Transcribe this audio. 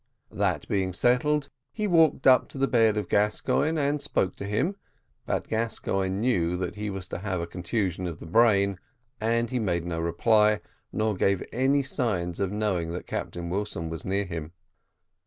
That being settled, he walked up to the bed of Gascoigne, and spoke to him; but Gascoigne knew that he was to have a concussion of the brain, and he made no reply, nor gave any signs of knowing that Captain Wilson was near him.